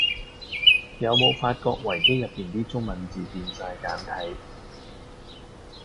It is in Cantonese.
有無發覺維基入面啲中文字變哂簡體?